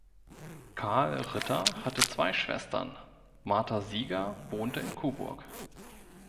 Karl Ritter hatte zwei Schwestern, Martha Sieger wohnte in Coburg.